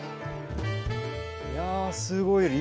いやすごい。